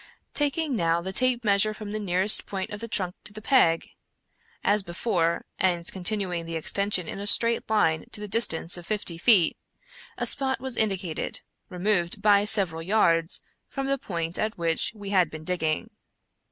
Taking, now, the tape measure from the nearest point of the trunk to the peg, as before, and continuing the extension in a straight line to the distance of fifty feet, a spot was indicated, removed, by several yards, from the point at which we had been digging.